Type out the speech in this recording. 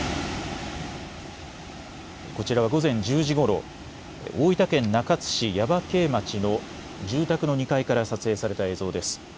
こちらは午前１０時ごろ、大分県中津市耶馬渓町の住宅の２階から撮影された映像です。